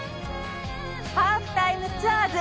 『ハーフタイムツアーズ』